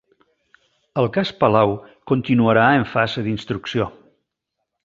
El cas Palau continuarà en fase d'instrucció